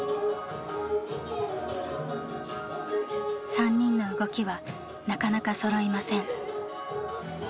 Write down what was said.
３人の動きはなかなかそろいません。